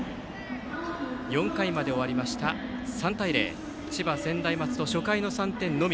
４回まで終わりまして３対０と千葉・専大松戸の初回の３点のみ。